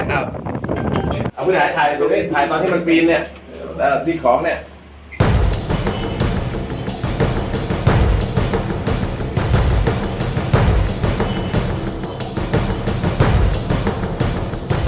ถ่ายตอนที่มันปีนเนี่ย